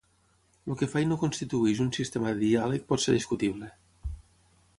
El que fa i no constitueix un sistema de diàleg pot ser discutible.